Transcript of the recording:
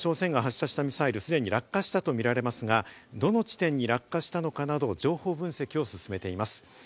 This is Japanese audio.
北朝鮮が発射したミサイル、すでに落下したとみられますが、どの地点に落下したのかなど情報分析を進めています。